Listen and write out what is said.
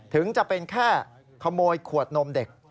ถึงจะเป็นแค่ขโมยขวดนมเด็ก